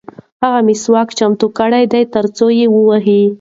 هغه مسواک چمتو کړی دی ترڅو یې ووهي.